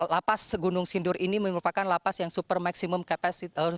lapas gunung sindur ini merupakan lapas yang super maksimum kapasitas